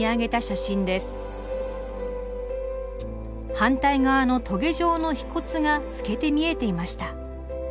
反対側のトゲ状の皮骨が透けて見えていました。